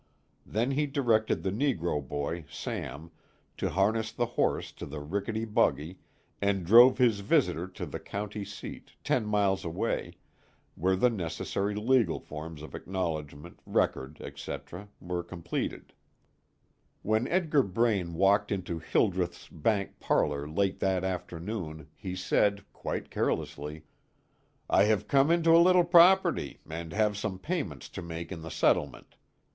Then he directed the negro boy, Sam, to harness the horse to the rickety buggy, and drove his visitor to the county seat, ten miles away, where the necessary legal forms of acknowledgment, record, etc., were completed. When Edgar Braine walked into Hildreth's bank parlor late that afternoon, he said quite carelessly: "I have come into a little property, and have some payments to make in the settlement.